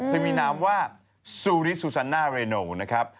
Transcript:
เธอมีนามว่าซูริซูซันน่าเรโนนะครับ